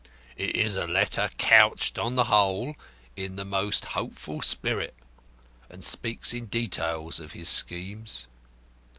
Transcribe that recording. It is a letter couched, on the whole, in the most hopeful spirit, and speaks in detail of his schemes.